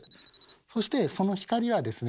そしてその光はですね